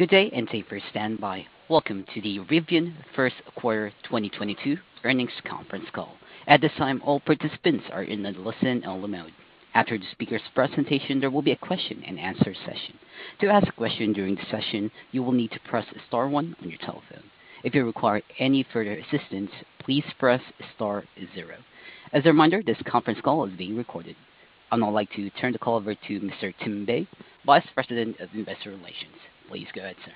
Good day, and thanks for standing by. Welcome to the Rivian First Quarter 2022 Earnings Conference Call. At this time, all participants are in a listen-only mode. After the speaker's presentation, there will be a question-and-answer session. To ask a question during the session, you will need to press star one on your telephone. If you require any further assistance, please press star zero. As a reminder, this conference call is being recorded. I'd now like to turn the call over to Mr. Tim Bei, Vice President of Investor Relations. Please go ahead, sir.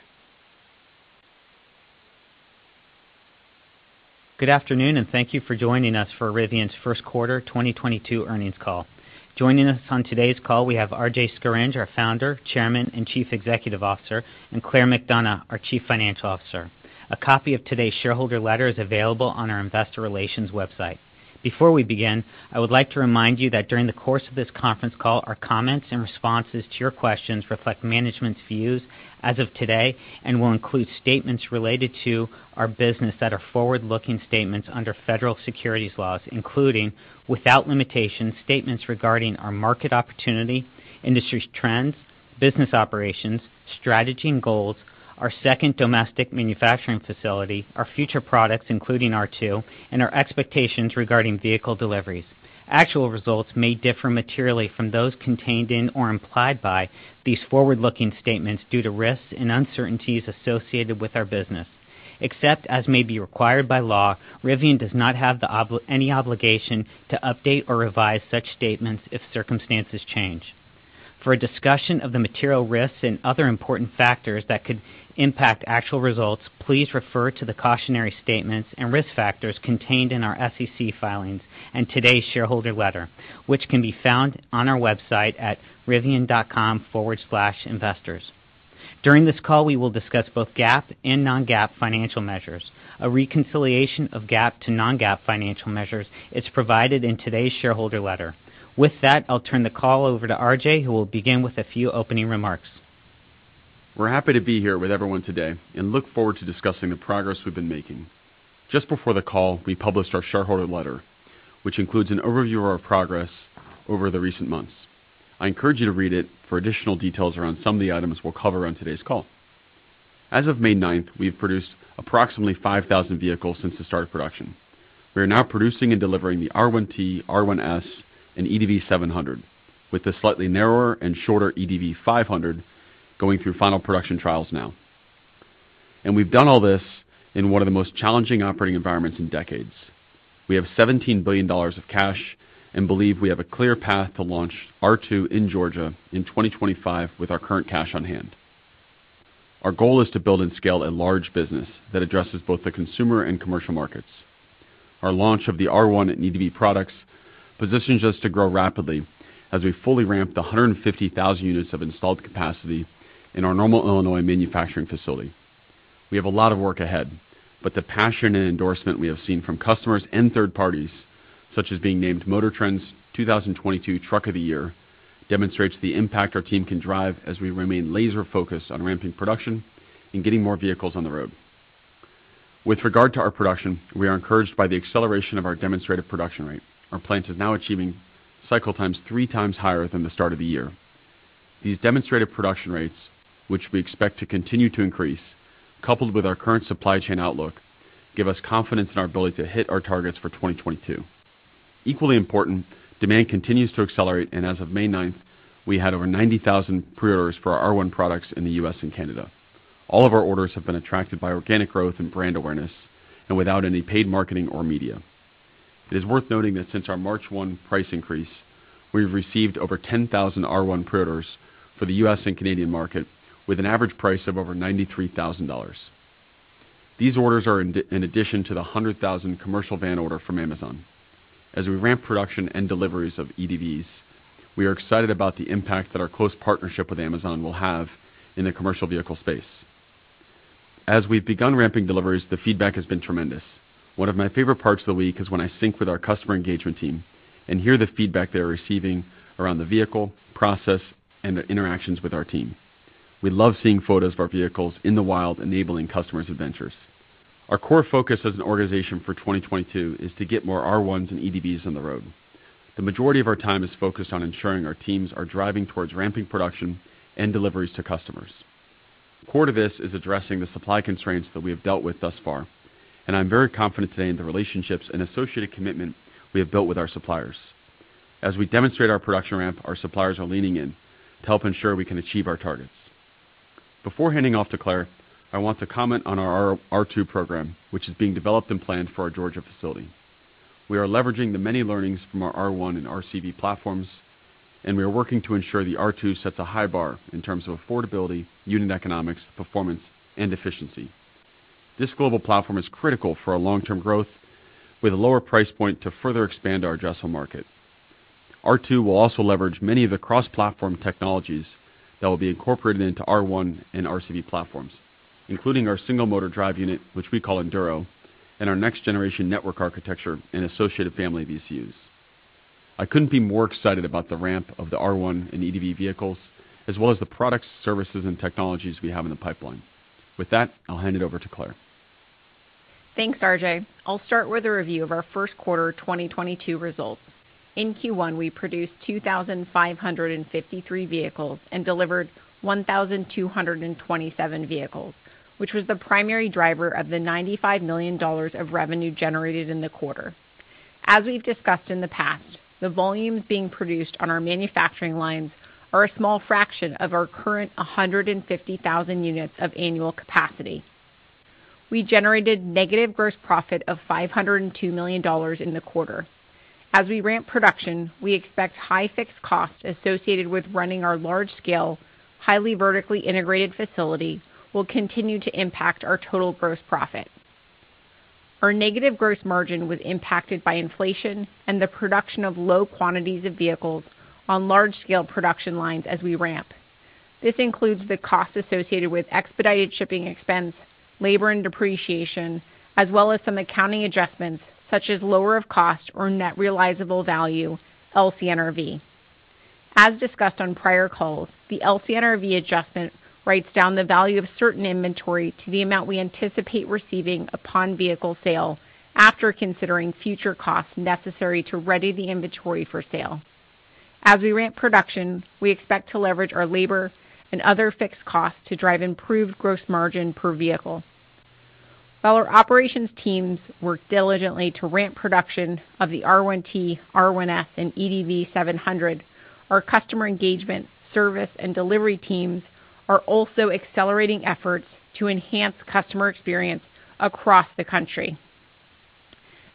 Good afternoon, and thank you for joining us for Rivian's first quarter 2022 earnings call. Joining us on today's call, we have RJ Scaringe, our Founder, Chairman, and Chief Executive Officer, and Claire McDonough, our Chief Financial Officer. A copy of today's shareholder letter is available on our investor relations website. Before we begin, I would like to remind you that during the course of this conference call, our comments and responses to your questions reflect management's views as of today and will include statements related to our business that are forward-looking statements under federal securities laws, including, without limitation, statements regarding our market opportunity, industry trends, business operations, strategy and goals, our second domestic manufacturing facility, our future products, including R2, and our expectations regarding vehicle deliveries. Actual results may differ materially from those contained in or implied by these forward-looking statements due to risks and uncertainties associated with our business. Except as may be required by law, Rivian does not have any obligation to update or revise such statements if circumstances change. For a discussion of the material risks and other important factors that could impact actual results, please refer to the cautionary statements and risk factors contained in our SEC filings and today's shareholder letter, which can be found on our website at rivian.com/investors. During this call, we will discuss both GAAP and non-GAAP financial measures. A reconciliation of GAAP to non-GAAP financial measures is provided in today's shareholder letter. With that, I'll turn the call over to RJ, who will begin with a few opening remarks. We're happy to be here with everyone today and look forward to discussing the progress we've been making. Just before the call, we published our shareholder letter, which includes an overview of our progress over the recent months. I encourage you to read it for additional details around some of the items we'll cover on today's call. As of May 9, we've produced approximately 5,000 vehicles since the start of production. We are now producing and delivering the R1T, R1S, and EDV 700, with the slightly narrower and shorter EDV 500 going through final production trials now. We've done all this in one of the most challenging operating environments in decades. We have $17 billion of cash and believe we have a clear path to launch R2 in Georgia in 2025 with our current cash on hand. Our goal is to build and scale a large business that addresses both the consumer and commercial markets. Our launch of the R1 and EDV products positions us to grow rapidly as we fully ramp the 150,000 units of installed capacity in our Normal, Illinois, manufacturing facility. We have a lot of work ahead, but the passion and endorsement we have seen from customers and third parties, such as being named MotorTrend's 2022 Truck of the Year, demonstrates the impact our team can drive as we remain laser-focused on ramping production and getting more vehicles on the road. With regard to our production, we are encouraged by the acceleration of our demonstrated production rate. Our plant is now achieving cycle times three times higher than the start of the year. These demonstrated production rates, which we expect to continue to increase, coupled with our current supply chain outlook, give us confidence in our ability to hit our targets for 2022. Equally important, demand continues to accelerate, and as of May 9, we had over 90,000 preorders for our R1 products in the U.S. and Canada. All of our orders have been attracted by organic growth and brand awareness and without any paid marketing or media. It is worth noting that since our March 1 price increase, we've received over 10,000 R1 preorders for the U.S. and Canadian market with an average price of over $93,000. These orders are in addition to the 100,000 commercial van order from Amazon. As we ramp production and deliveries of EDVs, we are excited about the impact that our close partnership with Amazon will have in the commercial vehicle space. As we've begun ramping deliveries, the feedback has been tremendous. One of my favorite parts of the week is when I sync with our customer engagement team and hear the feedback they're receiving around the vehicle, process, and the interactions with our team. We love seeing photos of our vehicles in the wild, enabling customers' adventures. Our core focus as an organization for 2022 is to get more R1s and EDVs on the road. The majority of our time is focused on ensuring our teams are driving towards ramping production and deliveries to customers. Core to this is addressing the supply constraints that we have dealt with thus far, and I'm very confident today in the relationships and associated commitment we have built with our suppliers. As we demonstrate our production ramp, our suppliers are leaning in to help ensure we can achieve our targets. Before handing off to Claire, I want to comment on our R2 program, which is being developed and planned for our Georgia facility. We are leveraging the many learnings from our R1 and RCV platforms, and we are working to ensure the R2 sets a high bar in terms of affordability, unit economics, performance, and efficiency. This global platform is critical for our long-term growth, with a lower price point to further expand our addressable market. R2 will also leverage many of the cross-platform technologies that will be incorporated into R1 and RCV platforms, including our single motor drive unit, which we call Enduro, and our next generation network architecture and associated family of ECUs. I couldn't be more excited about the ramp of the R1 and EDV vehicles, as well as the products, services, and technologies we have in the pipeline. With that, I'll hand it over to Claire. Thanks, RJ. I'll start with a review of our first quarter 2022 results. In Q1, we produced 2,053 vehicles and delivered 1,227 vehicles, which was the primary driver of the $95 million of revenue generated in the quarter. As we've discussed in the past, the volumes being produced on our manufacturing lines are a small fraction of our current 150,000 units of annual capacity. We generated negative gross profit of $502 million in the quarter. As we ramp production, we expect high fixed costs associated with running our large scale, highly vertically integrated facility will continue to impact our total gross profit. Our negative gross margin was impacted by inflation and the production of low quantities of vehicles on large scale production lines as we ramp. This includes the cost associated with expedited shipping expense, labor, and depreciation, as well as some accounting adjustments such as lower of cost or net realizable value, LCNRV. As discussed on prior calls, the LCNRV adjustment writes down the value of certain inventory to the amount we anticipate receiving upon vehicle sale after considering future costs necessary to ready the inventory for sale. As we ramp production, we expect to leverage our labor and other fixed costs to drive improved gross margin per vehicle. While our operations teams work diligently to ramp production of the R1T, R1S, and EDV-700, our customer engagement, service, and delivery teams are also accelerating efforts to enhance customer experience across the country.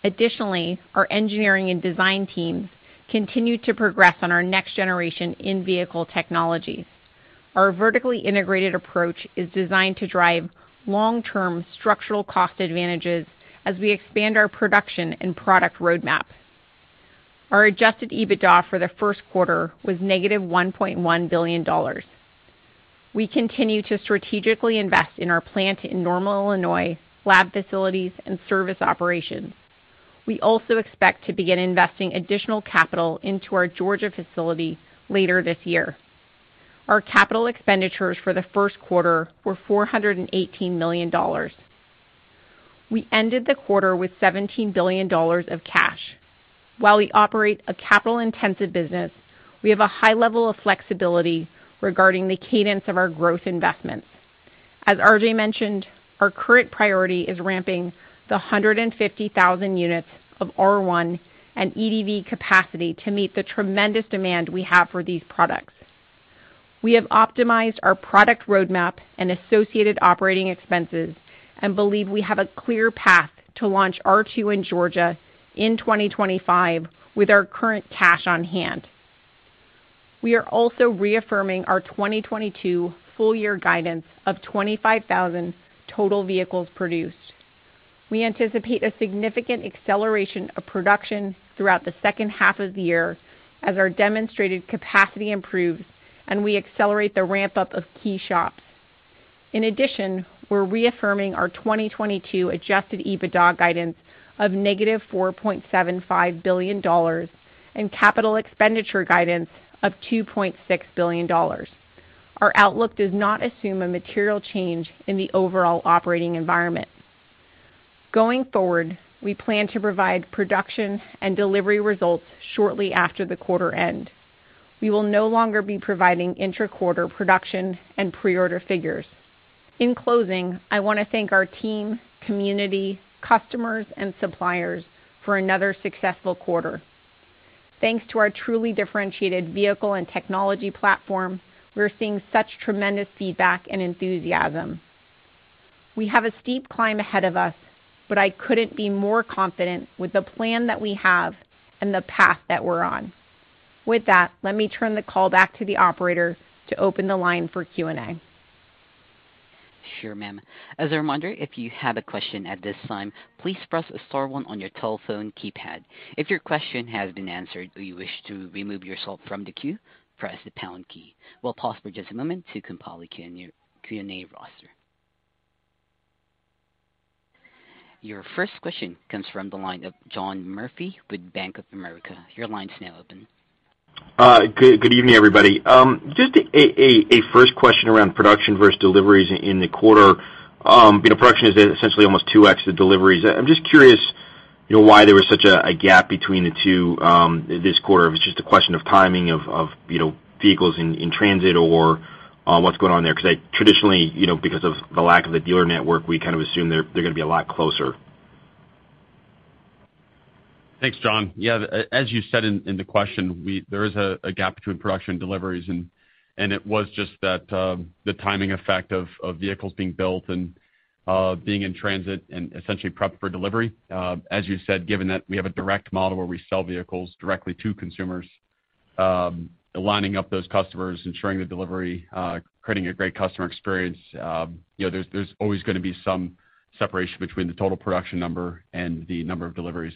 Additionally, our engineering and design teams continue to progress on our next generation in-vehicle technologies. Our vertically integrated approach is designed to drive long-term structural cost advantages as we expand our production and product roadmap. Our adjusted EBITDA for the first quarter was -$1.1 billion. We continue to strategically invest in our plant in Normal, Illinois, lab facilities, and service operations. We also expect to begin investing additional capital into our Georgia facility later this year. Our capital expenditures for the first quarter were $418 million. We ended the quarter with $17 billion of cash. While we operate a capital-intensive business, we have a high level of flexibility regarding the cadence of our growth investments. As RJ mentioned, our current priority is ramping the 150,000 units of R1 and EDV capacity to meet the tremendous demand we have for these products. We have optimized our product roadmap and associated operating expenses and believe we have a clear path to launch R2 in Georgia in 2025 with our current cash on hand. We are also reaffirming our 2022 full year guidance of 25,000 total vehicles produced. We anticipate a significant acceleration of production throughout the second half of the year as our demonstrated capacity improves and we accelerate the ramp-up of key shops. In addition, we're reaffirming our 2022 adjusted EBITDA guidance of -$4.75 billion and capital expenditure guidance of $2.6 billion. Our outlook does not assume a material change in the overall operating environment. Going forward, we plan to provide production and delivery results shortly after the quarter end. We will no longer be providing intra-quarter production and pre-order figures. In closing, I wanna thank our team, community, customers, and suppliers for another successful quarter. Thanks to our truly differentiated vehicle and technology platform, we're seeing such tremendous feedback and enthusiasm. We have a steep climb ahead of us, but I couldn't be more confident with the plan that we have and the path that we're on. With that, let me turn the call back to the operator to open the line for Q&A. Sure, ma'am. As a reminder, if you have a question at this time, please press star one on your telephone keypad. If your question has been answered or you wish to remove yourself from the queue, press the pound key. We'll pause for just a moment to compile Q&A roster. Your first question comes from the line of John Murphy with Bank of America. Your line's now open. Good evening, everybody. Just a first question around production versus deliveries in the quarter. You know, production is essentially almost 2x the deliveries. I'm just curious, you know, why there was such a gap between the two this quarter. If it's just a question of timing of you know vehicles in transit or what's going on there, 'cause traditionally, you know, because of the lack of a dealer network, we kind of assume they're gonna be a lot closer. Thanks, John. Yeah, as you said in the question, there is a gap between production and deliveries and it was just that, the timing effect of vehicles being built and being in transit and essentially prepped for delivery. As you said, given that we have a direct model where we sell vehicles directly to consumers, aligning up those customers, ensuring the delivery, creating a great customer experience, you know, there's always gonna be some separation between the total production number and the number of deliveries.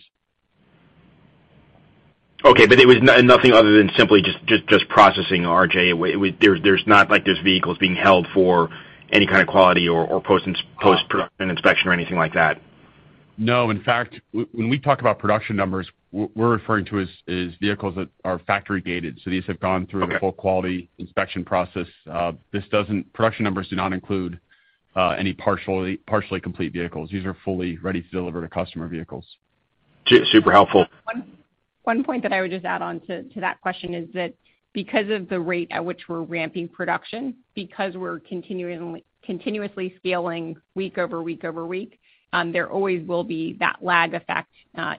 Okay. It was nothing other than simply just processing, RJ? There's not like there's vehicles being held for any kind of quality or post-production inspection or anything like that? No. In fact, when we talk about production numbers, we're referring to is vehicles that are factory gated. These have gone through- Okay the full quality inspection process. Production numbers do not include any partially complete vehicles. These are fully ready to deliver to customer vehicles. Super helpful. One point that I would just add on to that question is that because of the rate at which we're ramping production, because we're continuously scaling week over week over week, there always will be that lag effect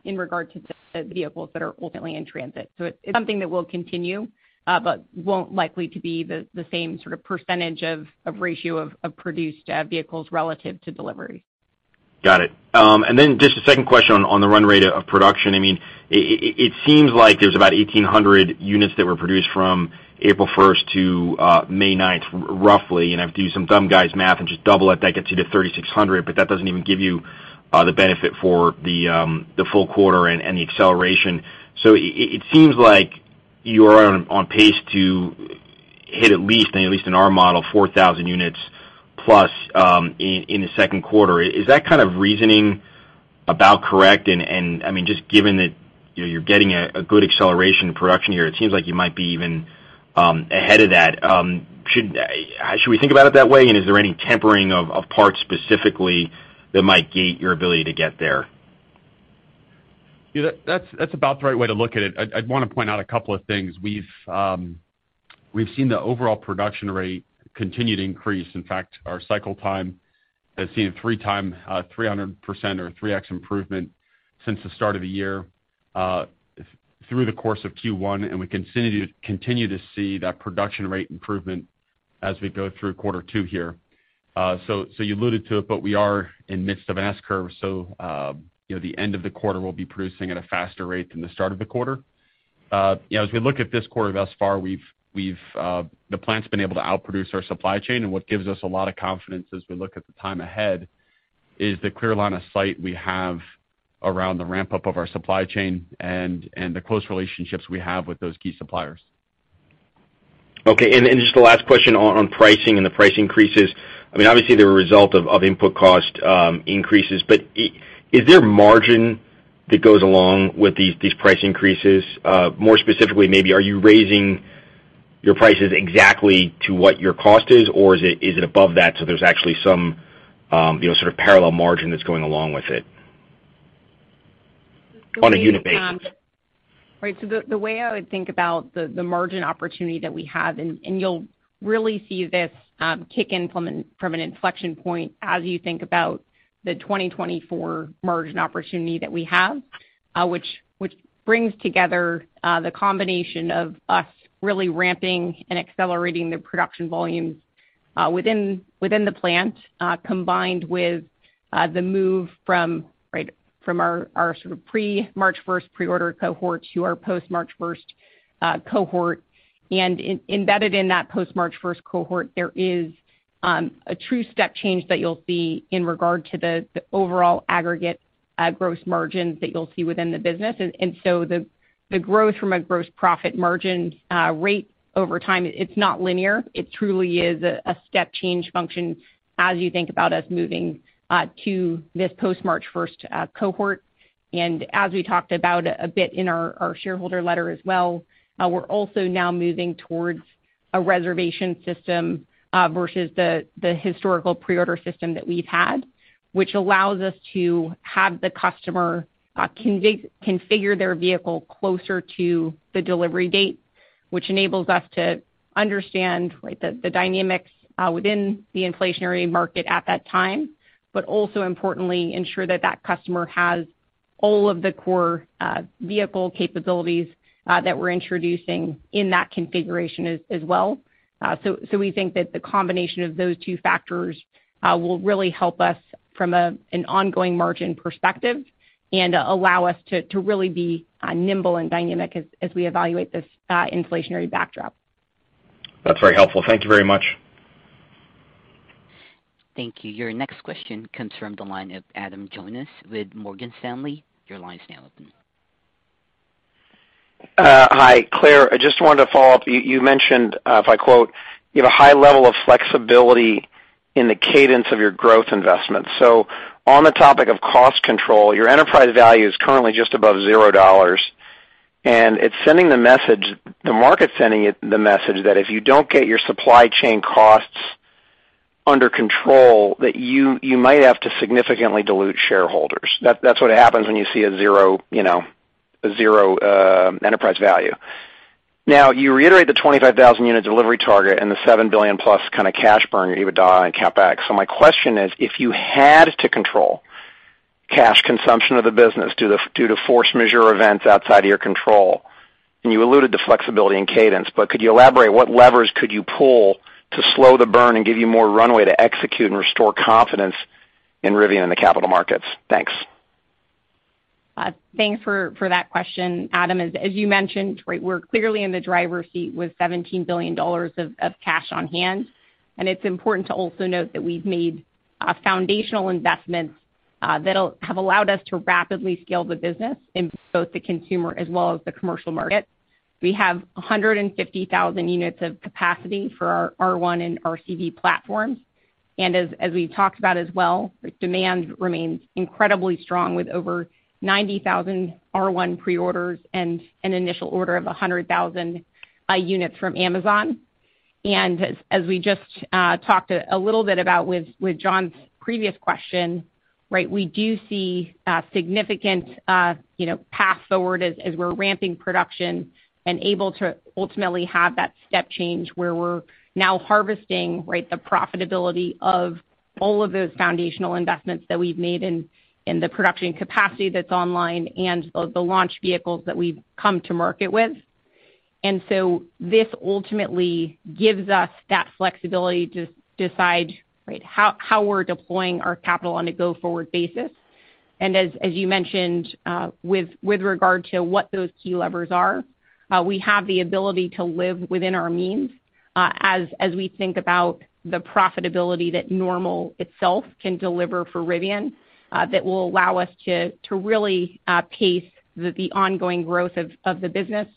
in regard to the vehicles that are ultimately in transit. It's something that will continue, but won't likely to be the same sort of percentage of produced vehicles relative to delivery. Got it. Then just a second question on the run rate of production. I mean, it seems like there's about 1,800 units that were produced from April first to May ninth roughly. I have to do some back-of-the-envelope math and just double it, that gets you to 3,600, but that doesn't even give you the benefit for the full quarter and the acceleration. It seems like you are on pace to hit at least, I mean, at least in our model, 4,000 units plus in the second quarter. Is that kind of reasoning about correct? I mean, just given that, you know, you're getting a good acceleration in production here, it seems like you might be even ahead of that. Should we think about it that way? Is there any tempering of parts specifically that might gate your ability to get there? Yeah, that's about the right way to look at it. I'd wanna point out a couple of things. We've seen the overall production rate continue to increase. In fact, our cycle time has seen a 300% or 3x improvement since the start of the year through the course of Q1, and we continue to see that production rate improvement as we go through quarter two here. You alluded to it, but we are in the midst of an S-curve. You know, the end of the quarter will be producing at a faster rate than the start of the quarter. You know, as we look at this quarter thus far, the plant's been able to outproduce our supply chain, and what gives us a lot of confidence as we look at the time ahead is the clear line of sight we have around the ramp-up of our supply chain and the close relationships we have with those key suppliers. Okay. Just the last question on pricing and the price increases. I mean, obviously, they're a result of input cost increases. Is there margin that goes along with these price increases? More specifically, maybe are you raising your prices exactly to what your cost is, or is it above that, so there's actually some you know, sort of parallel margin that's going along with it on a unit basis? Right. The way I would think about the margin opportunity that we have, and you'll really see this kick in from an inflection point as you think about the 2024 margin opportunity that we have, which brings together the combination of us really ramping and accelerating the production volumes within the plant, combined with the move from our sort of pre-March first pre-order cohort to our post-March first cohort. Embedded in that post-March first cohort, there is a true step change that you'll see in regard to the overall aggregate gross margins that you'll see within the business. The growth from a gross profit margin rate over time, it's not linear. It truly is a step change function as you think about us moving to this post March first cohort. As we talked about a bit in our shareholder letter as well, we're also now moving towards a reservation system versus the historical pre-order system that we've had, which allows us to have the customer configure their vehicle closer to the delivery date, which enables us to understand, right, the dynamics within the inflationary market at that time, but also importantly ensure that that customer has all of the core vehicle capabilities that we're introducing in that configuration as well. We think that the combination of those two factors will really help us from an ongoing margin perspective and allow us to really be nimble and dynamic as we evaluate this inflationary backdrop. That's very helpful. Thank you very much. Thank you. Your next question comes from the line of Adam Jonas with Morgan Stanley. Your line's now open. Hi, Claire. I just wanted to follow up. You mentioned, if I quote, "You have a high level of flexibility in the cadence of your growth investment." On the topic of cost control, your enterprise value is currently just above $0, and it's sending the message, the market's sending the message that if you don't get your supply chain costs under control, that you might have to significantly dilute shareholders. That's what happens when you see a zero, you know, a zero enterprise value. Now, you reiterate the 25,000-unit delivery target and the $7 billion+ kinda cash burn EBITDA and CapEx. my question is, if you had to control cash consumption of the business due to force majeure events outside of your control, and you alluded to flexibility and cadence, but could you elaborate what levers could you pull to slow the burn and give you more runway to execute and restore confidence in Rivian in the capital markets? Thanks. Thanks for that question, Adam. As you mentioned, right, we're clearly in the driver's seat with $17 billion of cash on hand. It's important to also note that we've made foundational investments that'll have allowed us to rapidly scale the business in both the consumer as well as the commercial market. We have 150,000 units of capacity for our R1 and RCV platforms. As we've talked about as well, like, demand remains incredibly strong with over 90,000 R1 preorders and an initial order of 100,000 units from Amazon. As we just talked a little bit about with John's previous question, right? We do see significant, you know, path forward as we're ramping production and able to ultimately have that step change where we're now harvesting, right? The profitability of all of those foundational investments that we've made in the production capacity that's online and the launch vehicles that we've come to market with. This ultimately gives us that flexibility to decide, right? How we're deploying our capital on a go-forward basis. As you mentioned, with regard to what those key levers are, we have the ability to live within our means, as we think about the profitability that the model itself can deliver for Rivian, that will allow us to really pace the ongoing growth of the business,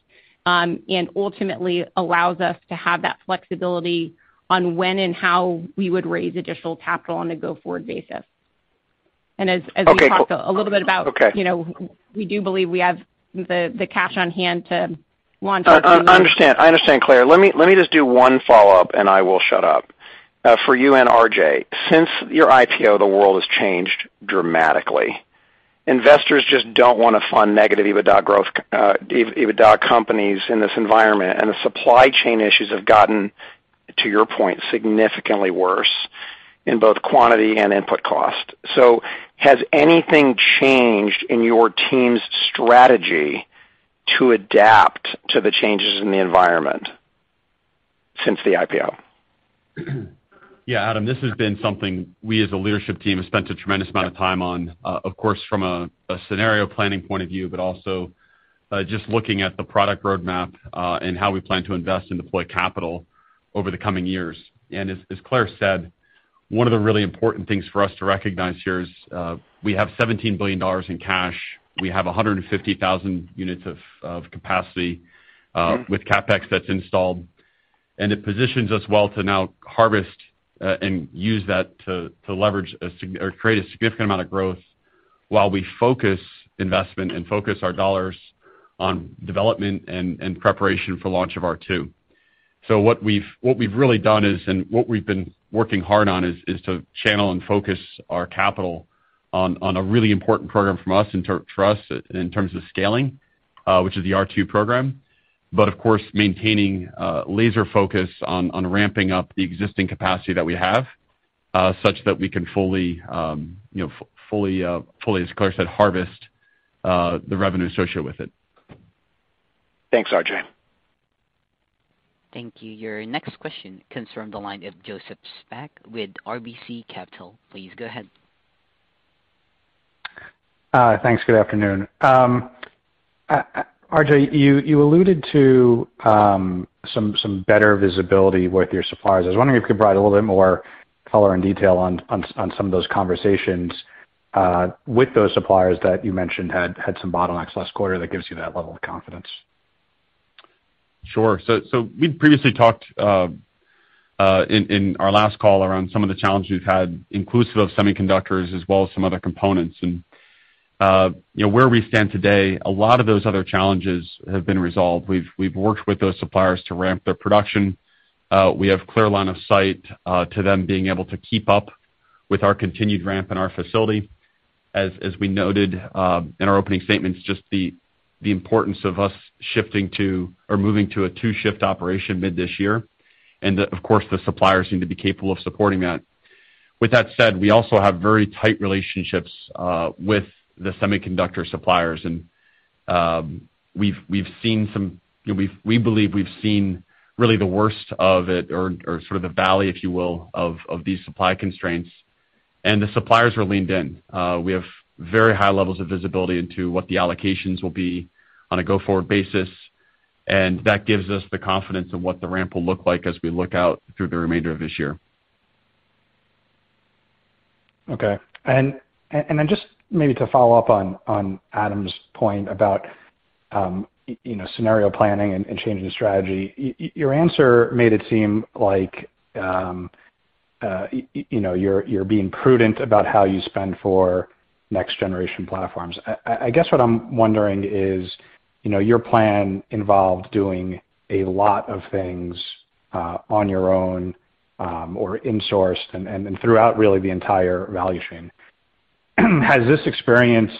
and ultimately allows us to have that flexibility on when and how we would raise additional capital on a go-forward basis. We talked a little bit about Okay. You know, we do believe we have the cash on hand to launch. I understand, Claire. Let me just do one follow-up, and I will shut up. For you and RJ, since your IPO, the world has changed dramatically. Investors just don't wanna fund negative EBITDA growth, EBITDA companies in this environment, and the supply chain issues have gotten, to your point, significantly worse in both quantity and input cost. Has anything changed in your team's strategy to adapt to the changes in the environment since the IPO? Yeah, Adam, this has been something we as a leadership team have spent a tremendous amount of time on, of course, from a scenario planning point of view, but also, just looking at the product roadmap, and how we plan to invest and deploy capital over the coming years. As Claire said, one of the really important things for us to recognize here is, we have $17 billion in cash. We have 150,000 units of capacity, with CapEx that's installed. It positions us well to now harvest, and use that to leverage or create a significant amount of growth while we focus investment and focus our dollars on development and preparation for launch of R2. What we've really done is what we've been working hard on is to channel and focus our capital on a really important program for us in terms of scaling, which is the R2 program. But of course, maintaining laser focus on ramping up the existing capacity that we have such that we can fully, you know, as Claire said, harvest the revenue associated with it. Thanks, RJ. Thank you. Your next question comes from the line of Joseph Spak with RBC Capital. Please go ahead. Thanks. Good afternoon. RJ, you alluded to some better visibility with your suppliers. I was wondering if you could provide a little bit more color and detail on some of those conversations with those suppliers that you mentioned had some bottlenecks last quarter that gives you that level of confidence? Sure. We'd previously talked in our last call around some of the challenges we've had inclusive of semiconductors as well as some other components. You know, where we stand today, a lot of those other challenges have been resolved. We've worked with those suppliers to ramp their production. We have clear line of sight to them being able to keep up with our continued ramp in our facility. As we noted in our opening statements, just the importance of us shifting to or moving to a two-shift operation mid this year. Of course, the suppliers need to be capable of supporting that. With that said, we also have very tight relationships with the semiconductor suppliers. We believe we've seen really the worst of it or sort of the valley, if you will, of these supply constraints. The suppliers are leaned in. We have very high levels of visibility into what the allocations will be on a go-forward basis, and that gives us the confidence in what the ramp will look like as we look out through the remainder of this year. Okay. Just maybe to follow up on Adam's point about you know, scenario planning and changing strategy. Your answer made it seem like you know, you're being prudent about how you spend for next generation platforms. I guess what I'm wondering is, you know, your plan involved doing a lot of things on your own or insourced and then throughout really the entire value chain. Has this experience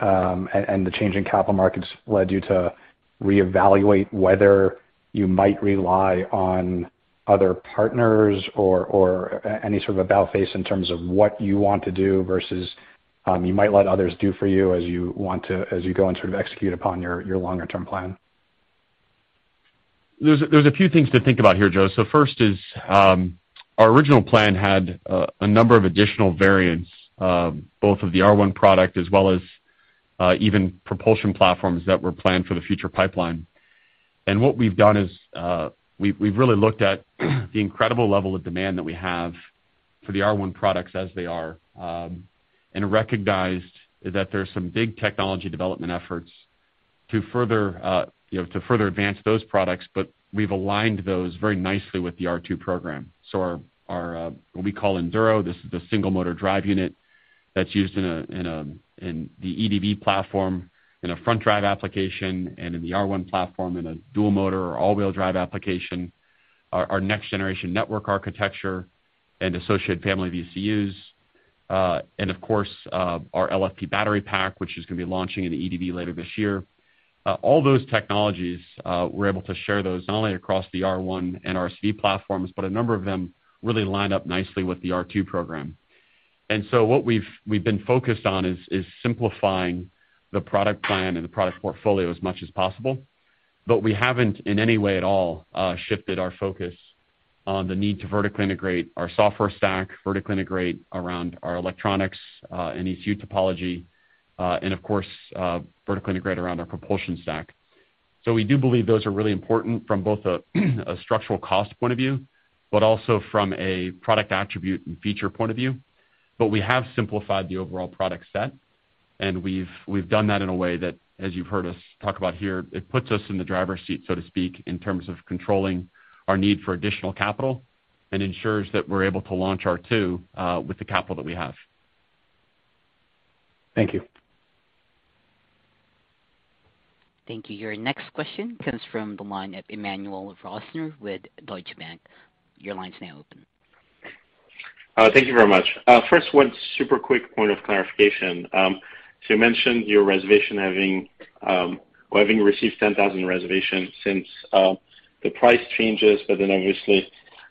and the change in capital markets led you to reevaluate whether you might rely on other partners or any sort of about face in terms of what you want to do versus you might let others do for you as you want to, as you go and sort of execute upon your longer term plan? There's a few things to think about here, Joe. First is, our original plan had a number of additional variants, both of the R1 product as well as, even propulsion platforms that were planned for the future pipeline. What we've done is, we've really looked at the incredible level of demand that we have for the R1 products as they are, and recognized that there's some big technology development efforts to further, you know, to further advance those products, but we've aligned those very nicely with the R2 program. Our what we call Enduro, this is the single motor drive unit that's used in the EDV platform in a front drive application and in the R1 platform in a dual motor or all-wheel drive application. Our next generation network architecture and associated family VCUs, and of course, our LFP battery pack, which is gonna be launching in the EDV later this year. All those technologies, we're able to share those not only across the R1 and RCV platforms, but a number of them really line up nicely with the R2 program. What we've been focused on is simplifying the product plan and the product portfolio as much as possible. We haven't, in any way at all, shifted our focus on the need to vertically integrate our software stack, vertically integrate around our electronics, and ECU topology, and of course, vertically integrate around our propulsion stack. We do believe those are really important from both a structural cost point of view, but also from a product attribute and feature point of view. We have simplified the overall product set, and we've done that in a way that, as you've heard us talk about here, it puts us in the driver's seat, so to speak, in terms of controlling our need for additional capital and ensures that we're able to launch R2 with the capital that we have. Thank you. Thank you. Your next question comes from the line of Emmanuel Rosner with Deutsche Bank. Your line's now open. Thank you very much. First, one super quick point of clarification. You mentioned your reservation having received 10,000 reservations since the price changes, but then obviously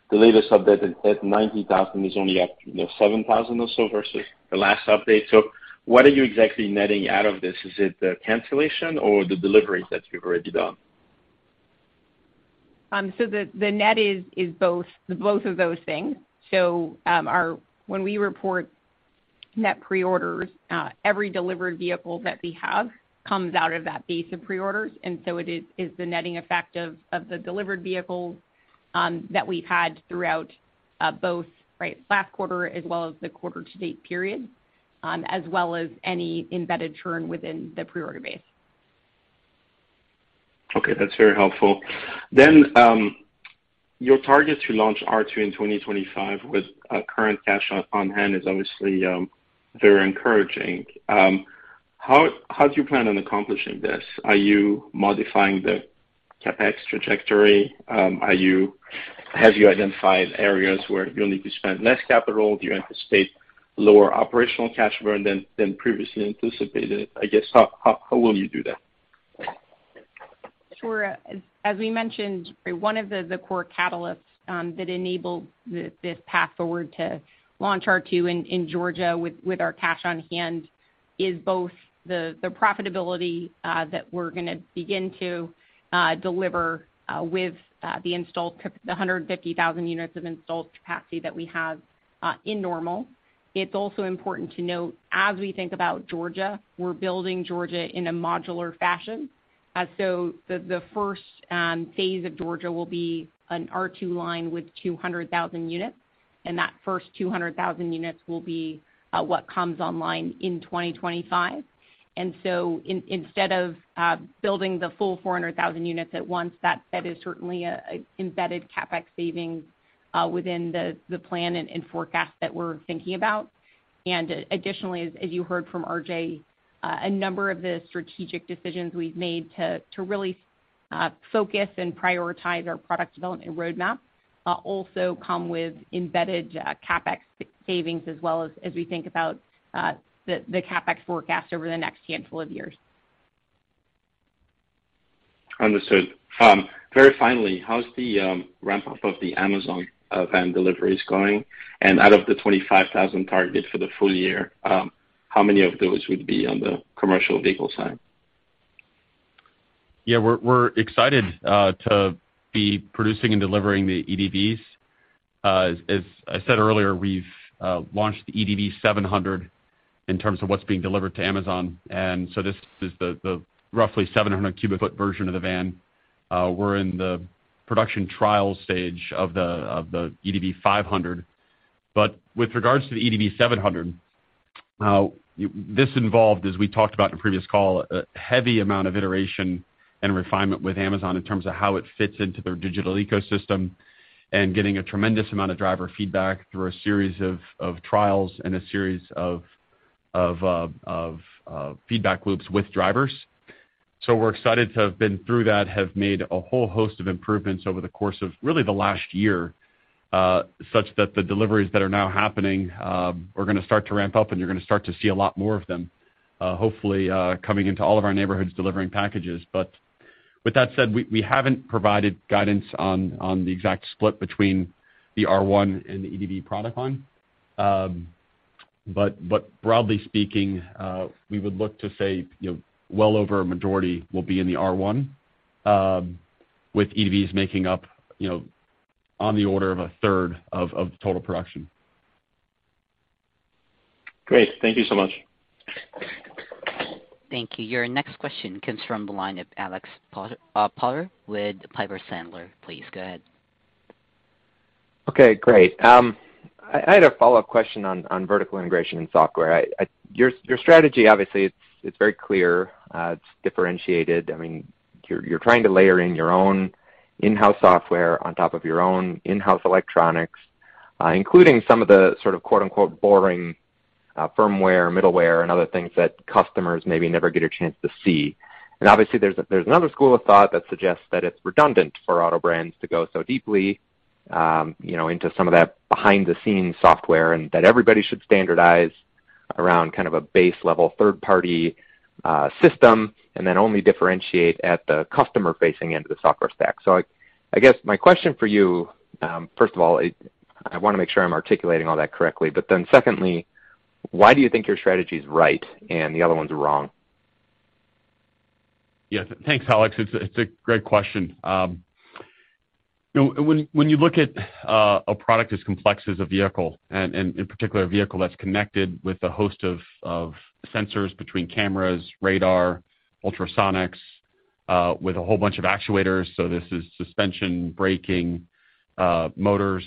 the latest update that said 90,000 is only up 7,000 or so versus the last update. What are you exactly netting out of this? Is it the cancellation or the deliveries that you've already done? The net is both of those things. When we report net pre-orders, every delivered vehicle that we have comes out of that base of pre-orders, and it is the netting effect of the delivered vehicles that we've had throughout both last quarter as well as the quarter to date period, as well as any embedded churn within the pre-order base. Okay. That's very helpful. Your target to launch R2 in 2025 with current cash on hand is obviously very encouraging. How do you plan on accomplishing this? Are you modifying the CapEx trajectory? Have you identified areas where you'll need to spend less capital? Do you anticipate lower operational cash burn than previously anticipated? I guess, how will you do that? Sure. As we mentioned, one of the core catalysts that enable this path forward to launch R2 in Georgia with our cash on hand is both the profitability that we're gonna begin to deliver with the 150,000 units of installed capacity that we have in Normal. It's also important to note, as we think about Georgia, we're building Georgia in a modular fashion. So the first phase of Georgia will be an R2 line with 200,000 units, and that first 200,000 units will be what comes online in 2025. Instead of building the full 400,000 units at once, that is certainly an embedded CapEx savings within the plan and forecast that we're thinking about. Additionally, as you heard from RJ, a number of the strategic decisions we've made to really focus and prioritize our product development roadmap also come with embedded CapEx savings, as well as we think about the CapEx forecast over the next handful of years. Understood. Very finally, how's the ramp-up of the Amazon van deliveries going? Out of the 25,000 target for the full year, how many of those would be on the commercial vehicle side? Yeah. We're excited to be producing and delivering the EDVs. As I said earlier, we've launched the EDV 700 in terms of what's being delivered to Amazon, and so this is the roughly 700 cubic foot version of the van. We're in the production trial stage of the EDV 500. With regards to the EDV 700, this involved, as we talked about in the previous call, a heavy amount of iteration and refinement with Amazon in terms of how it fits into their digital ecosystem and getting a tremendous amount of driver feedback through a series of trials and a series of feedback loops with drivers. We're excited to have been through that, have made a whole host of improvements over the course of really the last year, such that the deliveries that are now happening are gonna start to ramp up, and you're gonna start to see a lot more of them, hopefully, coming into all of our neighborhoods, delivering packages. With that said, we haven't provided guidance on the exact split between the R1 and the EDV product line. Broadly speaking, we would look to say, you know, well over a majority will be in the R1, with EDVs making up, you know, on the order of a third of the total production. Great. Thank you so much. Thank you. Your next question comes from the line of Alex Potter with Piper Sandler. Please go ahead. Okay, great. I had a follow-up question on vertical integration and software. Your strategy, obviously, it's very clear. It's differentiated. I mean, you're trying to layer in your own in-house software on top of your own in-house electronics, including some of the sort of quote-unquote, "boring," firmware, middleware, and other things that customers maybe never get a chance to see. Obviously there's another school of thought that suggests that it's redundant for auto brands to go so deeply, you know, into some of that behind-the-scenes software and that everybody should standardize around kind of a base level third-party system and then only differentiate at the customer-facing end of the software stack. I guess my question for you, first of all, I wanna make sure I'm articulating all that correctly, but then secondly, why do you think your strategy is right and the other one's wrong? Yes. Thanks, Alex. It's a great question. You know, when you look at a product as complex as a vehicle and in particular a vehicle that's connected with a host of sensors between cameras, radar, ultrasonics, with a whole bunch of actuators, so this is suspension, braking, motors,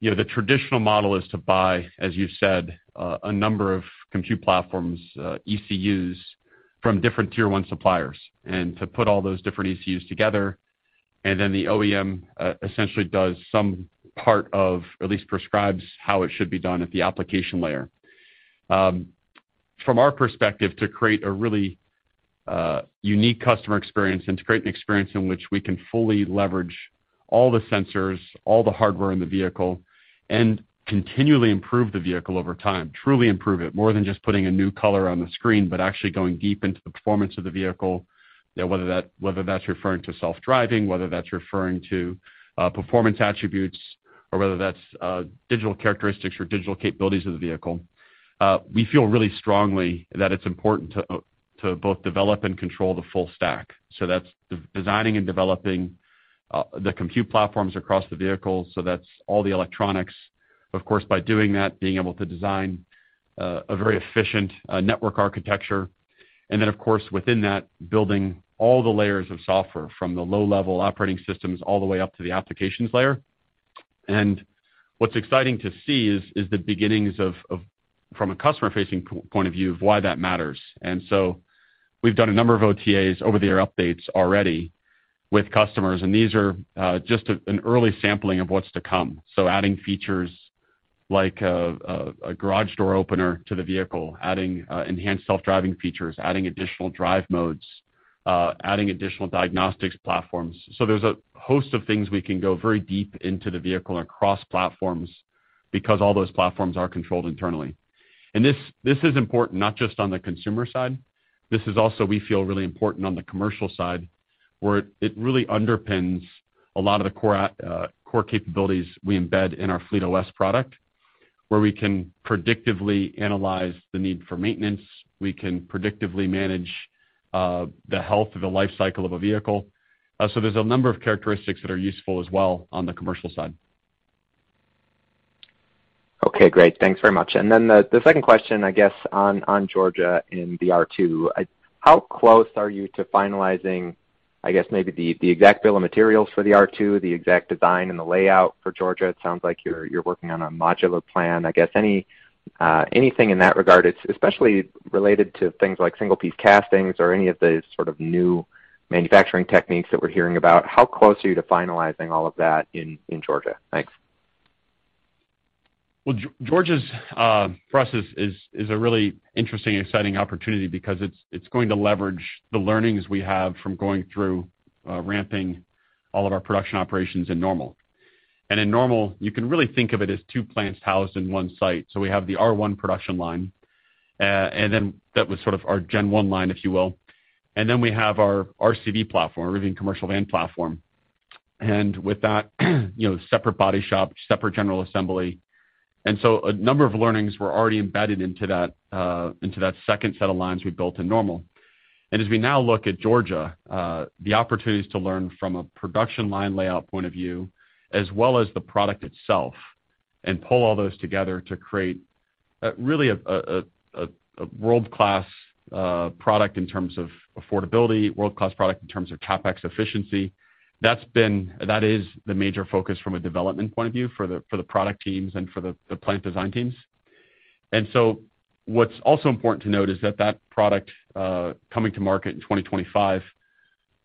you know, the traditional model is to buy, as you said, a number of compute platforms, ECUs from different Tier 1 suppliers and to put all those different ECUs together, and then the OEM essentially does some part of or at least prescribes how it should be done at the application layer. From our perspective, to create a really unique customer experience and to create an experience in which we can fully leverage all the sensors, all the hardware in the vehicle and continually improve the vehicle over time, truly improve it, more than just putting a new color on the screen, but actually going deep into the performance of the vehicle, you know, whether that's referring to self-driving, whether that's referring to performance attributes or whether that's digital characteristics or digital capabilities of the vehicle, we feel really strongly that it's important to both develop and control the full stack. That's redesigning and developing the compute platforms across the vehicle, so that's all the electronics. Of course, by doing that, being able to design a very efficient network architecture. Then, of course, within that, building all the layers of software from the low level operating systems all the way up to the applications layer. What's exciting to see is the beginnings of from a customer-facing point of view of why that matters. We've done a number of OTAs, over-the-air updates already with customers, and these are just an early sampling of what's to come. Adding features like a garage door opener to the vehicle, adding enhanced self-driving features, adding additional drive modes, adding additional diagnostics platforms. There's a host of things we can go very deep into the vehicle and across platforms because all those platforms are controlled internally. This is important not just on the consumer side. This is also, we feel, really important on the commercial side, where it really underpins a lot of the core core capabilities we embed in our FleetOS product, where we can predictively analyze the need for maintenance. We can predictively manage the health of the life cycle of a vehicle. There's a number of characteristics that are useful as well on the commercial side. Okay. Great. Thanks very much. Then the second question, I guess on Georgia in the R2, how close are you to finalizing, I guess maybe the exact bill of materials for the R2, the exact design and the layout for Georgia? It sounds like you're working on a modular plan. I guess anything in that regard, it's especially related to things like single-piece castings or any of the sort of new manufacturing techniques that we're hearing about. How close are you to finalizing all of that in Georgia? Thanks. Well, Georgia's for us is a really interesting, exciting opportunity because it's going to leverage the learnings we have from going through ramping all of our production operations in Normal. In Normal, you can really think of it as two plants housed in one site. We have the R1 production line, and then that was sort of our Gen 1 line, if you will. Then we have our RCV platform, Rivian Commercial Van platform. With that, you know, separate body shop, separate general assembly. A number of learnings were already embedded into that second set of lines we built in Normal. As we now look at Georgia, the opportunities to learn from a production line layout point of view as well as the product itself and pull all those together to create really a world-class product in terms of affordability, world-class product in terms of CapEx efficiency. That is the major focus from a development point of view for the product teams and for the plant design teams. What's also important to note is that that product coming to market in 2025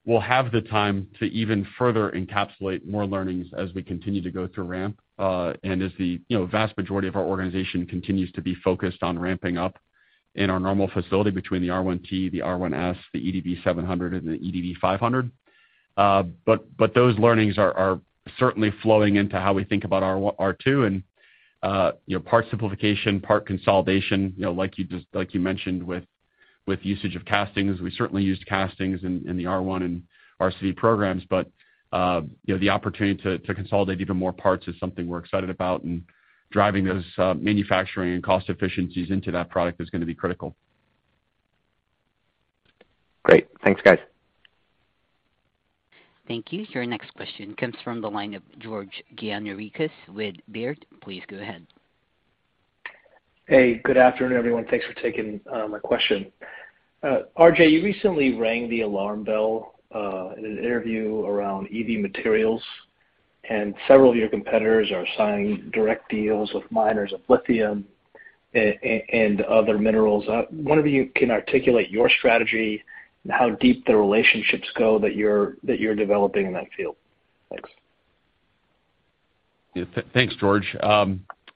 will have the time to even further encapsulate more learnings as we continue to go through ramp, and as you know, vast majority of our organization continues to be focused on ramping up in our Normal facility between the R1T, the R1S, the EDV 700 and the EDV 500. Those learnings are certainly flowing into how we think about R1, R2 and, you know, part simplification, part consolidation, you know, like you mentioned with usage of castings. We certainly used castings in the R1 and RCV programs, but, you know, the opportunity to consolidate even more parts is something we're excited about, and driving those manufacturing and cost efficiencies into that product is gonna be critical. Great. Thanks, guys. Thank you. Your next question comes from the line of George Gianarikas with Baird. Please go ahead. Hey, good afternoon, everyone. Thanks for taking my question. RJ, you recently rang the alarm bell in an interview around EV materials, and several of your competitors are signing direct deals with miners of lithium and other minerals. I wonder if you can articulate your strategy and how deep the relationships go that you're developing in that field. Thanks. Yeah. Thanks, George.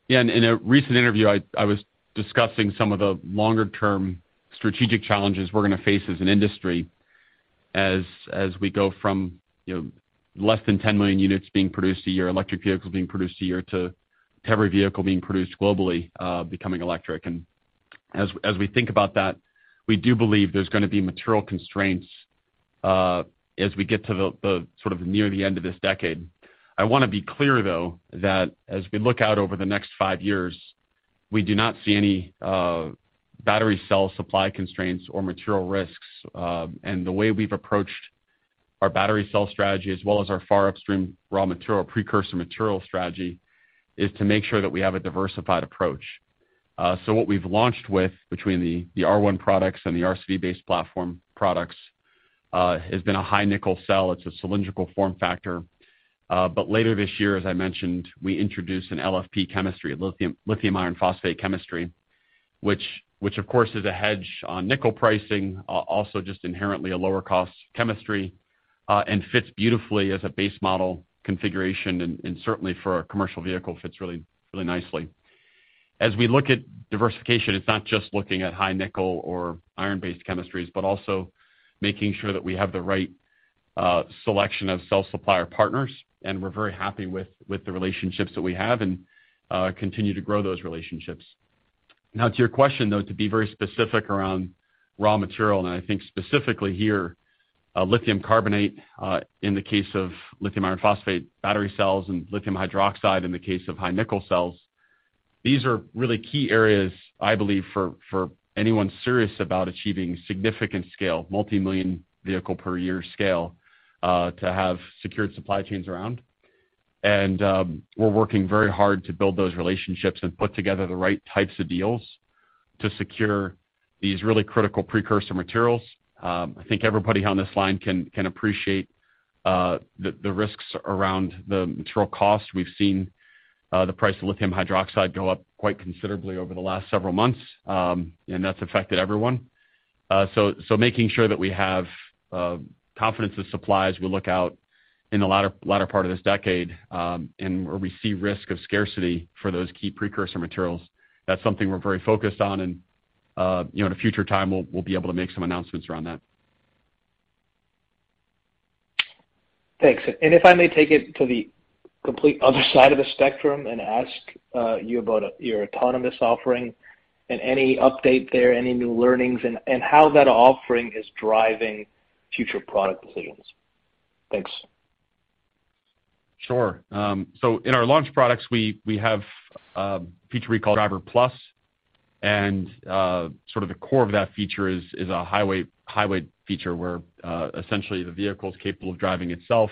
Yeah, in a recent interview, I was discussing some of the longer-term strategic challenges we're gonna face as an industry as we go from, you know, less than 10 million units being produced a year, electric vehicles being produced a year, to every vehicle being produced globally becoming electric. As we think about that, we do believe there's gonna be material constraints as we get to the sort of near the end of this decade. I wanna be clear though, that as we look out over the next five years, we do not see any battery cell supply constraints or material risks. The way we've approached our battery cell strategy, as well as our far upstream raw material precursor material strategy, is to make sure that we have a diversified approach. What we've launched with between the R1 products and the RCV-based platform products has been a high nickel cell. It's a cylindrical form factor. Later this year, as I mentioned, we introduce an LFP chemistry, lithium iron phosphate chemistry, which of course is a hedge on nickel pricing, also just inherently a lower cost chemistry, and fits beautifully as a base model configuration and certainly for a commercial vehicle fits really nicely. As we look at diversification, it's not just looking at high nickel or iron-based chemistries, but also making sure that we have the right selection of cell supplier partners, and we're very happy with the relationships that we have and continue to grow those relationships. Now to your question, though, to be very specific around raw material, and I think specifically here, lithium carbonate, in the case of lithium iron phosphate battery cells and lithium hydroxide in the case of high nickel cells, these are really key areas I believe for anyone serious about achieving significant scale, multimillion vehicle per year scale, to have secured supply chains around. We're working very hard to build those relationships and put together the right types of deals to secure these really critical precursor materials. I think everybody on this line can appreciate the risks around the material cost. We've seen the price of lithium hydroxide go up quite considerably over the last several months, and that's affected everyone. Making sure that we have confidence of supply as we look out in the latter part of this decade, and where we see risk of scarcity for those key precursor materials, that's something we're very focused on and, you know, in a future time, we'll be able to make some announcements around that. Thanks. If I may take it to the complete other side of the spectrum and ask you about your autonomous offering and any update there, any new learnings and how that offering is driving future product decisions. Thanks. Sure. So in our launch products, we have a feature we call Driver+. Sort of the core of that feature is a highway feature where essentially the vehicle's capable of driving itself.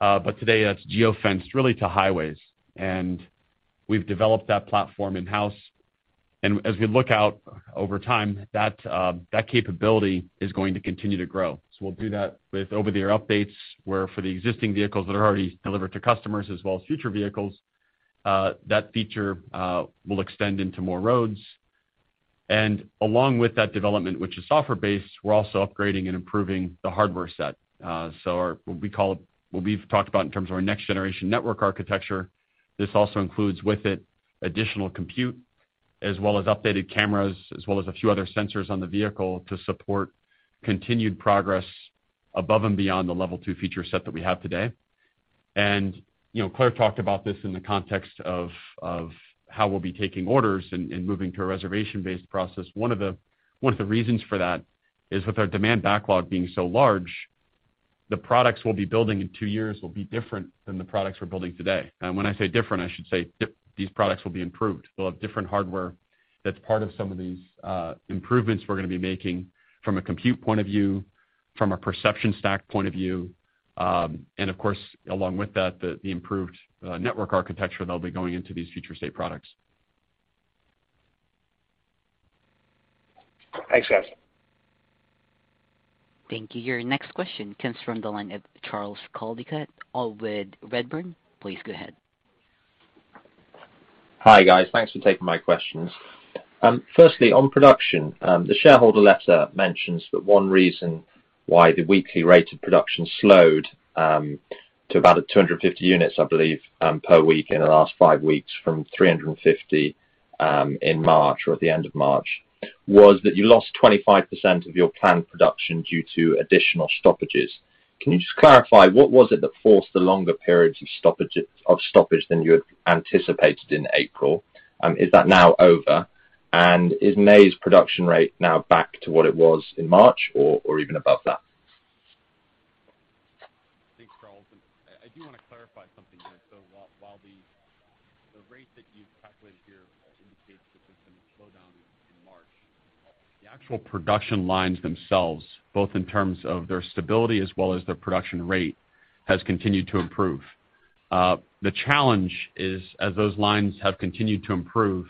But today that's geo-fenced really to highways. We've developed that platform in-house. As we look out over time, that capability is going to continue to grow. We'll do that with over-the-air updates, where for the existing vehicles that are already delivered to customers as well as future vehicles, that feature will extend into more roads. Along with that development, which is software-based, we're also upgrading and improving the hardware set. Our... What we've talked about in terms of our next generation network architecture, this also includes with it additional compute, as well as updated cameras, as well as a few other sensors on the vehicle to support continued progress above and beyond the level two feature set that we have today. You know, Claire talked about this in the context of how we'll be taking orders and moving to a reservation-based process. One of the reasons for that is with our demand backlog being so large, the products we'll be building in two years will be different than the products we're building today. When I say different, I should say these products will be improved. They'll have different hardware that's part of some of these improvements we're gonna be making from a compute point of view, from a perception stack point of view, and of course, along with that, the improved network architecture that'll be going into these future state products. Thanks, guys. Thank you. Your next question comes from the line of Charles Coldicott with Redburn. Please go ahead. Hi, guys. Thanks for taking my questions. Firstly, on production, the shareholder letter mentions that one reason why the weekly rate of production slowed to about 250 units, I believe, per week in the last five weeks from 350 in March or at the end of March, was that you lost 25% of your planned production due to additional stoppages. Can you just clarify what was it that forced the longer periods of stoppage than you had anticipated in April? Is that now over? Is May's production rate now back to what it was in March or even above that? Thanks, Charles. I do wanna clarify something there. While the rate that you've calculated here indicates that there's been a slowdown in March, the actual production lines themselves, both in terms of their stability as well as their production rate, has continued to improve. The challenge is, as those lines have continued to improve,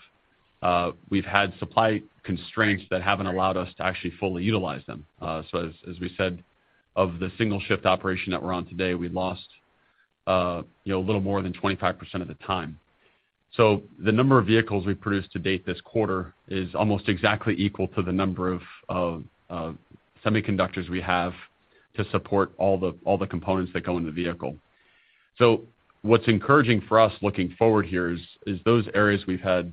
we've had supply constraints that haven't allowed us to actually fully utilize them. So as we said, of the single shift operation that we're on today, we lost, you know, a little more than 25% of the time. So the number of vehicles we produced to date this quarter is almost exactly equal to the number of semiconductors we have to support all the components that go in the vehicle. What's encouraging for us looking forward here is those areas we've had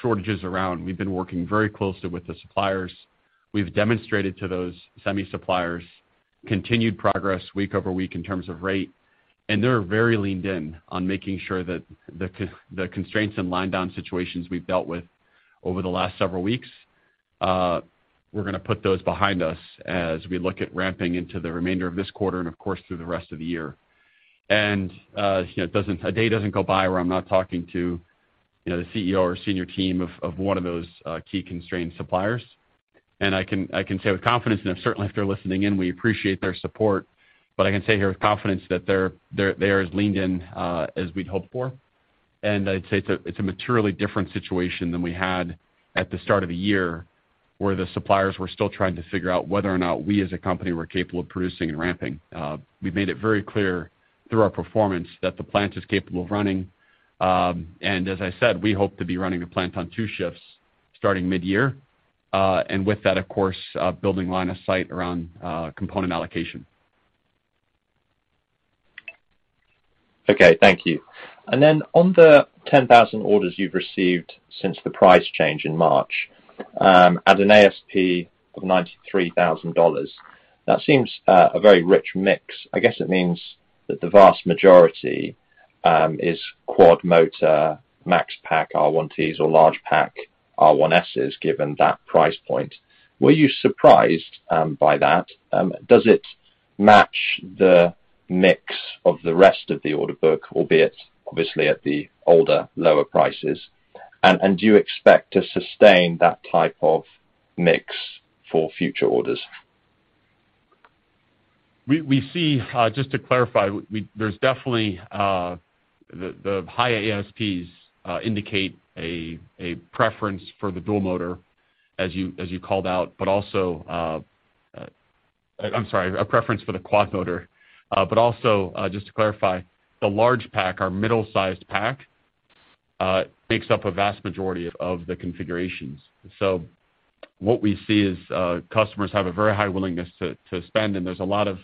shortages around, we've been working very closely with the suppliers. We've demonstrated to those semi suppliers continued progress week over week in terms of rate, and they're very leaned in on making sure that the constraints and line down situations we've dealt with over the last several weeks, we're gonna put those behind us as we look at ramping into the remainder of this quarter and of course through the rest of the year. You know, a day doesn't go by where I'm not talking to, you know, the CEO or senior team of one of those key constrained suppliers. I can say with confidence, and certainly, if they're listening in, we appreciate their support. I can say here with confidence that they're as leaned in as we'd hoped for. I'd say it's a materially different situation than we had at the start of the year, where the suppliers were still trying to figure out whether or not we as a company were capable of producing and ramping. We made it very clear through our performance that the plant is capable of running. As I said, we hope to be running the plant on two shifts starting midyear. With that, of course, building line of sight around component allocation. Okay. Thank you. On the 10,000 orders you've received since the price change in March, at an ASP of $93,000, that seems a very rich mix. I guess it means that the vast majority is quad motor max pack R1Ts or large pack R1Ss, given that price point. Were you surprised by that? Does it match the mix of the rest of the order book, albeit obviously at the older, lower prices? Do you expect to sustain that type of mix for future orders? We see just to clarify, there's definitely the high ASPs indicate a preference for the dual motor as you called out, but also a preference for the quad motor. But also just to clarify, the large pack, our middle-sized pack makes up a vast majority of the configurations. So what we see is customers have a very high willingness to spend, and there's a lot of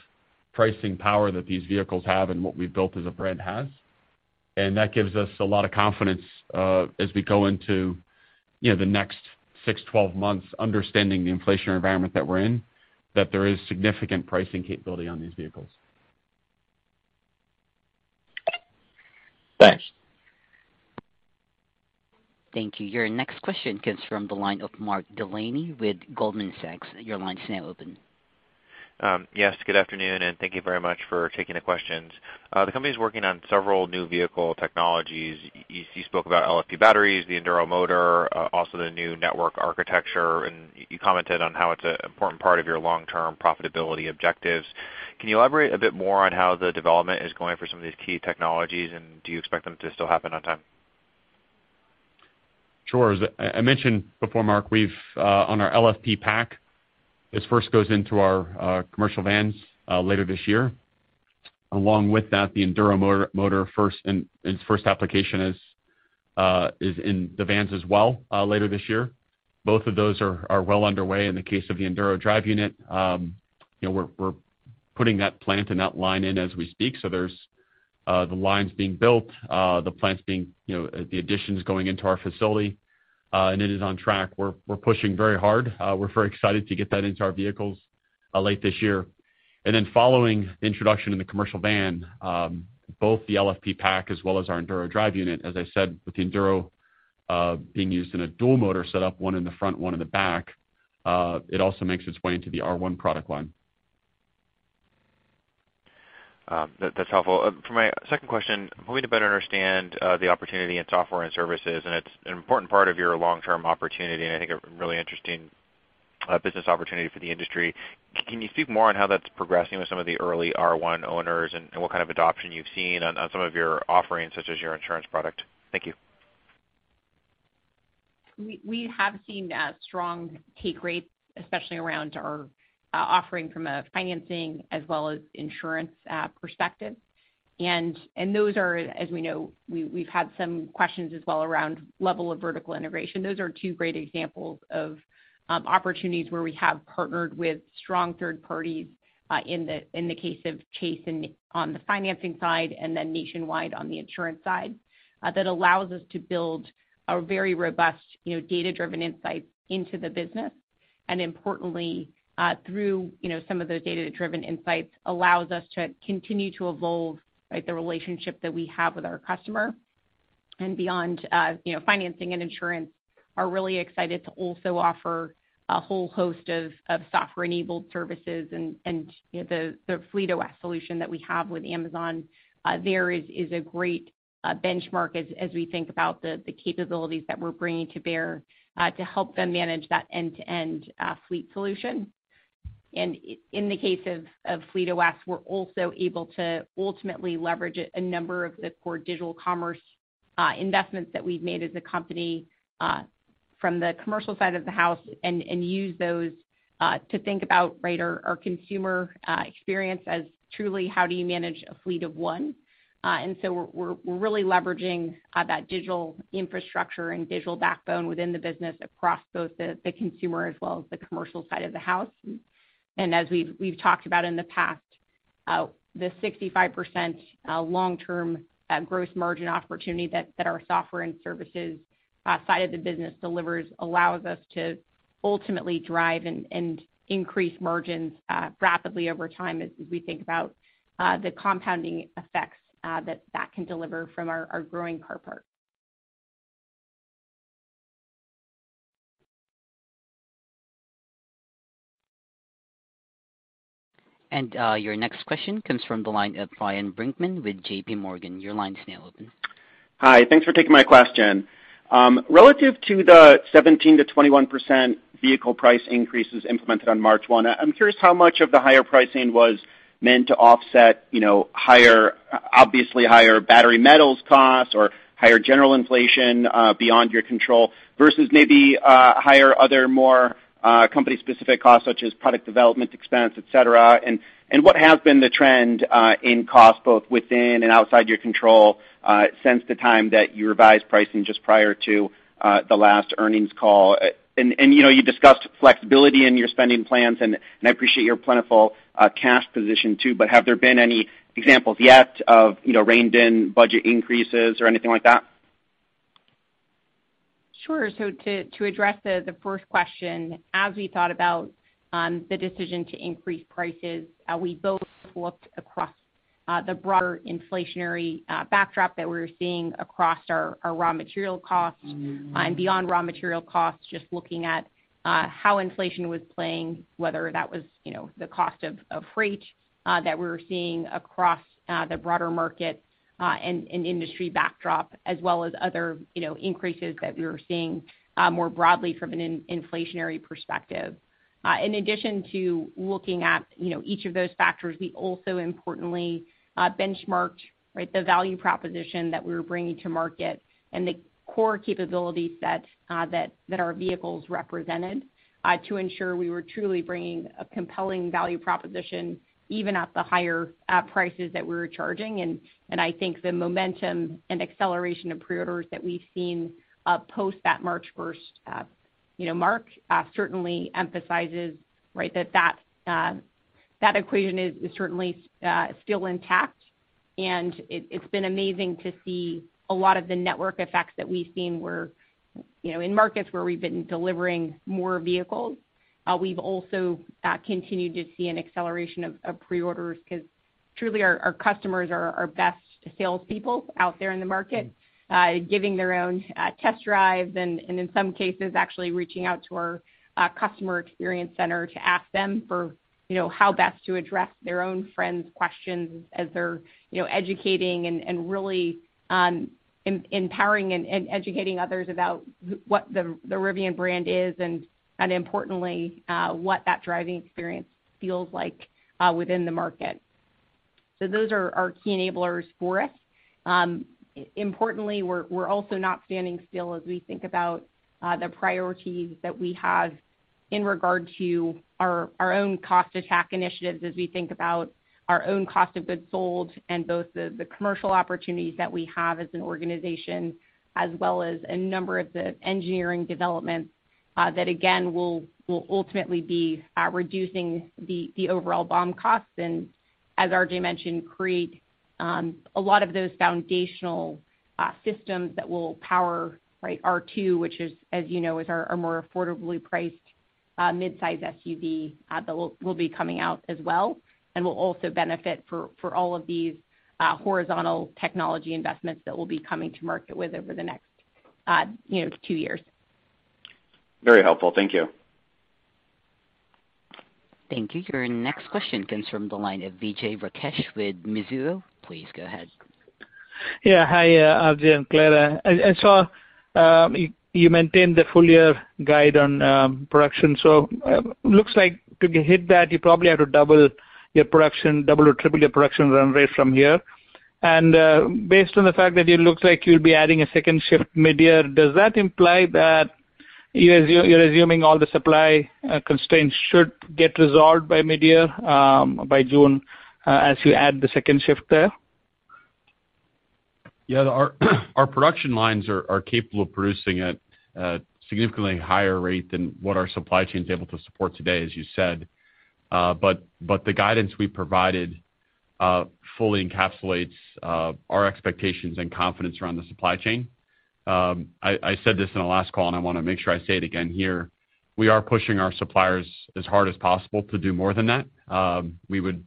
pricing power that these vehicles have and what we've built as a brand has. That gives us a lot of confidence as we go into you know the next six, 12 months understanding the inflationary environment that we're in, that there is significant pricing capability on these vehicles. Thanks. Thank you. Your next question comes from the line of Mark Delaney with Goldman Sachs. Your line is now open. Yes, good afternoon, and thank you very much for taking the questions. The company's working on several new vehicle technologies. You spoke about LFP batteries, the Enduro motor, also the new network architecture, and you commented on how it's an important part of your long-term profitability objectives. Can you elaborate a bit more on how the development is going for some of these key technologies, and do you expect them to still happen on time? Sure. As I mentioned before, Mark, we've on our LFP pack, this first goes into our commercial vans later this year. Along with that, the Enduro motor first application is in the vans as well later this year. Both of those are well underway in the case of the Enduro drive unit. You know, we're putting that plant and that line in as we speak. There's the lines being built, the plants being, you know, the additions going into our facility, and it is on track. We're pushing very hard. We're very excited to get that into our vehicles late this year. Following the introduction in the commercial van, both the LFP pack as well as our Enduro drive unit, as I said, with the Enduro being used in a dual motor setup, one in the front, one in the back, it also makes its way into the R1 product line. That's helpful. For my second question, I'm hoping to better understand the opportunity in software and services, and it's an important part of your long-term opportunity, and I think a really interesting business opportunity for the industry. Can you speak more on how that's progressing with some of the early R1 owners and what kind of adoption you've seen on some of your offerings, such as your insurance product? Thank you. We have seen strong take rates, especially around our offering from a financing as well as insurance perspective. Those are, as we know, we've had some questions as well around level of vertical integration. Those are two great examples of opportunities where we have partnered with strong third parties, in the case of Chase and on the financing side and then Nationwide on the insurance side, that allows us to build a very robust, you know, data-driven insights into the business. Importantly, through you know, some of those data-driven insights allows us to continue to evolve, right, the relationship that we have with our customer. Beyond, you know, financing and insurance, are really excited to also offer a whole host of software-enabled services and, you know, the FleetOS solution that we have with Amazon, there is a great benchmark as we think about the capabilities that we're bringing to bear to help them manage that end-to-end fleet solution. In the case of FleetOS, we're also able to ultimately leverage a number of the core digital commerce investments that we've made as a company from the commercial side of the house and use those to think about, right, our consumer experience as truly how do you manage a fleet of one. We're really leveraging that digital infrastructure and digital backbone within the business across both the consumer as well as the commercial side of the house. As we've talked about in the past, the 65% long-term gross margin opportunity that our software and services side of the business delivers allows us to ultimately drive and increase margins rapidly over time as we think about the compounding effects that that can deliver from our growing car parc. Your next question comes from the line of Ryan Brinkman with J.P. Morgan. Your line's now open. Hi. Thanks for taking my question. Relative to the 17%-21% vehicle price increases implemented on March 1, I'm curious how much of the higher pricing was meant to offset, you know, higher, obviously higher battery metals costs or higher general inflation beyond your control versus maybe higher other more company-specific costs such as product development expense, et cetera. You know, you discussed flexibility in your spending plans, and I appreciate your plentiful cash position too, but have there been any examples yet of, you know, reined-in budget increases or anything like that? Sure. To address the first question, as we thought about the decision to increase prices, we both looked across the broader inflationary backdrop that we were seeing across our raw material costs and beyond raw material costs, just looking at how inflation was playing, whether that was, you know, the cost of freight that we were seeing across the broader market and industry backdrop, as well as other, you know, increases that we were seeing more broadly from an inflationary perspective. In addition to looking at, you know, each of those factors, we also importantly, benchmarked, right, the value proposition that we were bringing to market and the core capability set, that our vehicles represented, to ensure we were truly bringing a compelling value proposition even at the higher, prices that we were charging. I think the momentum and acceleration of pre-orders that we've seen, post that March first, you know, mark, certainly emphasizes, right, that that equation is, certainly, still intact. It, it's been amazing to see a lot of the network effects that we've seen were, you know, in markets where we've been delivering more vehicles. We've also continued to see an acceleration of pre-orders 'cause truly our customers are our best salespeople out there in the market, giving their own test drives and in some cases actually reaching out to our customer experience center to ask them for, you know, how best to address their own friends' questions as they're, you know, educating and really empowering and educating others about what the Rivian brand is and importantly what that driving experience feels like within the market. Those are our key enablers for us. Importantly, we're also not standing still as we think about the priorities that we have in regard to our own cost attack initiatives as we think about our own cost of goods sold and both the commercial opportunities that we have as an organization, as well as a number of the engineering developments that again will ultimately be reducing the overall BOM costs and as RJ mentioned, create a lot of those foundational systems that will power, right, R2, which is, as you know, our more affordably priced midsize SUV that will be coming out as well and will also benefit from all of these horizontal technology investments that we'll be coming to market with over the next, you know, two years. Very helpful. Thank you. Thank you. Your next question comes from the line of Vijay Rakesh with Mizuho. Please go ahead. Yeah. Hi, RJ and Claire. I saw you maintain the full year guide on production. Looks like to hit that, you probably have to double your production, double or triple your production runway from here. Based on the fact that it looks like you'll be adding a second shift midyear, does that imply that you're assuming all the supply constraints should get resolved by midyear, by June, as you add the second shift there? Our production lines are capable of producing at a significantly higher rate than what our supply chain is able to support today, as you said. The guidance we provided fully encapsulates our expectations and confidence around the supply chain. I said this in the last call, and I wanna make sure I say it again here. We are pushing our suppliers as hard as possible to do more than that. We would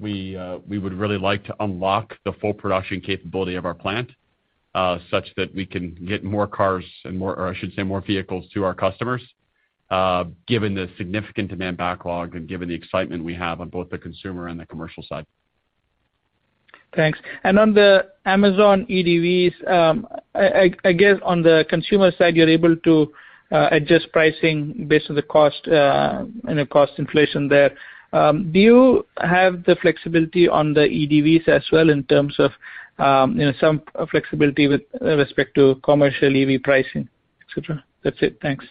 really like to unlock the full production capability of our plant such that we can get more cars and more, or I should say more vehicles to our customers given the significant demand backlog and given the excitement we have on both the consumer and the commercial side. Thanks. On the Amazon EDVs, I guess on the consumer side, you're able to adjust pricing based on the cost and the cost inflation there. Do you have the flexibility on the EDVs as well in terms of you know, some flexibility with respect to commercial EV pricing, et cetera? That's it. Thanks.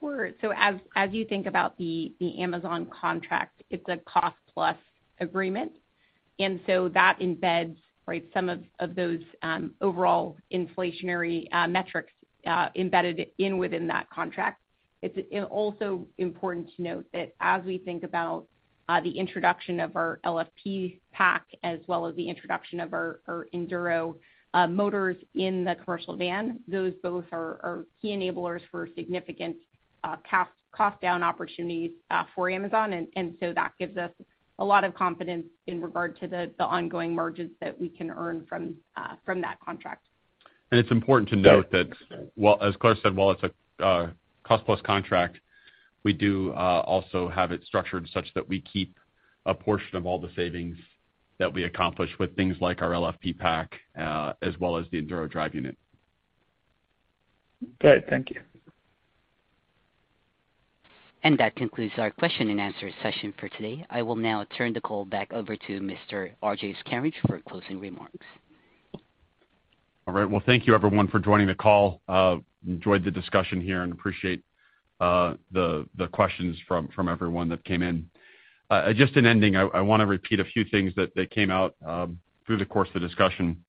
Sure. As you think about the Amazon contract, it's a cost plus agreement, and so that embeds, right, some of those overall inflationary metrics embedded within that contract. It's also important to note that as we think about the introduction of our LFP pack as well as the introduction of our Enduro motors in the commercial van, those both are key enablers for significant cost down opportunities for Amazon. That gives us a lot of confidence in regard to the ongoing margins that we can earn from that contract. It's important to note that while, as Claire said, while it's a cost plus contract, we do also have it structured such that we keep a portion of all the savings that we accomplish with things like our LFP pack, as well as the Enduro drive unit. Great. Thank you. That concludes our question and answer session for today. I will now turn the call back over to Mr. RJ Scaringe for closing remarks. All right. Well, thank you everyone for joining the call. Enjoyed the discussion here and appreciate the questions from everyone that came in. Just in ending, I wanna repeat a few things that came out through the course of the discussion.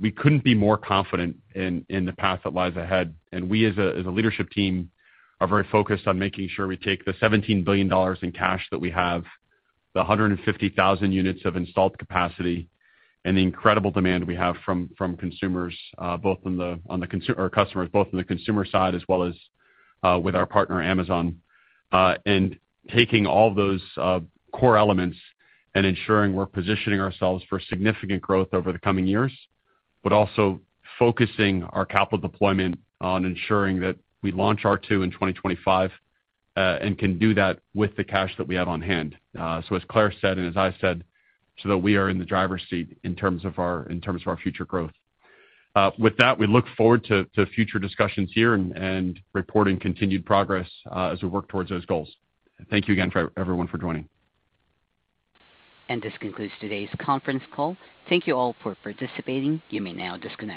We couldn't be more confident in the path that lies ahead, and we as a leadership team are very focused on making sure we take the $17 billion in cash that we have, the 150,000 units of installed capacity, and the incredible demand we have from consumers, both on the consumer side as well as with our partner, Amazon, and taking all those core elements and ensuring we're positioning ourselves for significant growth over the coming years, but also focusing our capital deployment on ensuring that we launch R2 in 2025, and can do that with the cash that we have on hand. As Claire said, and as I said, so that we are in the driver's seat in terms of our future growth. With that, we look forward to future discussions here and reporting continued progress, as we work towards those goals. Thank you again, everyone, for joining. This concludes today's conference call. Thank you all for participating. You may now disconnect.